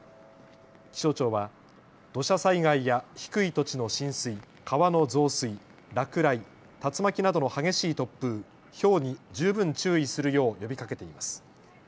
気象庁は土砂災害や低い土地の浸水、川の増水、落雷、竜巻などの激しい突風、ひょうに十分注意するよう呼びかけています。